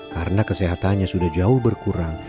karena kesehatannya sudah jauh berkurang